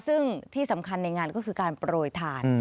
ซึ่งที่สำคัญในงานก็คือการโปรยทาน